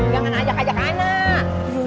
jangan ajak ajak anak